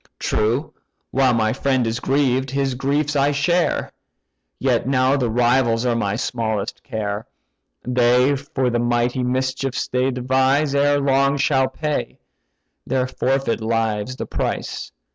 True, while my friend is grieved, his griefs I share; Yet now the rivals are my smallest care: They for the mighty mischiefs they devise, Ere long shall pay—their forfeit lives the price.